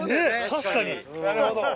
確かに。